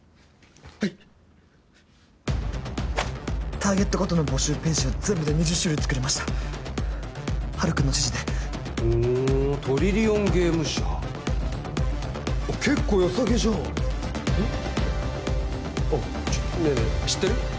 はいターゲットごとの募集ページを全部で２０種類作りましたハル君の指示でへトリリオンゲーム社結構よさげじゃんあっねえねえ知ってる？